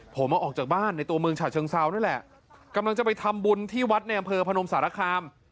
ผมเอาออกจากบ้านในตัวเมืองฉะเชิงเซานั่นแหละกำลังจะไปทำบุญที่วัดในอำเภอพนมสารคาม